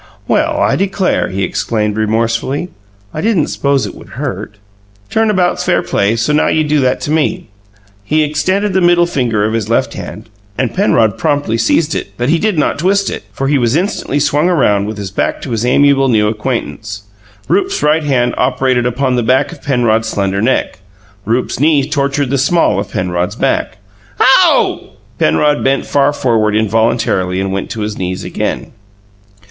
"Well, I declare!" he exclaimed remorsefully. "I didn't s'pose it would hurt. Turn about's fair play; so now you do that to me." He extended the middle finger of his left hand and Penrod promptly seized it, but did not twist it, for he was instantly swung round with his back to his amiable new acquaintance: Rupe's right hand operated upon the back of Penrod's slender neck; Rupe's knee tortured the small of Penrod's back. "OW!" Penrod bent far forward involuntarily and went to his knees again.